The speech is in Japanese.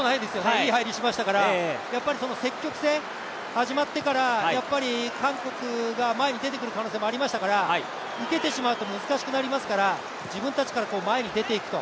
いい入りしましたから積極性、始まってから韓国が前に出てくる可能性もありましたから受けてしまうと難しくなりますから、自分たちから前に出ていくと。